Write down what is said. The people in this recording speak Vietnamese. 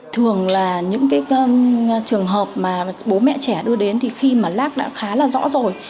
thường là những cái trường hợp mà bố mẹ trẻ đưa đến thì khi mà lác đã khá là rõ rồi